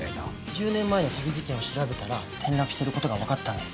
１０年前の詐欺事件を調べたら転落してる事がわかったんです。